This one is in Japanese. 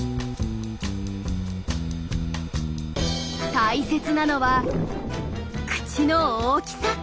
大切なのは口の大きさ。